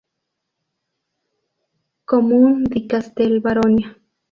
Comune di Castel Baronia